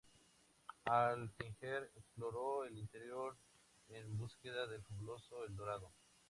Alfinger exploró el interior en búsqueda del fabuloso El Dorado.